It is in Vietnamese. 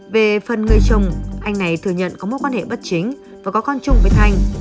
về phần người chồng anh này thừa nhận có mối quan hệ bất chính và có con chung với thanh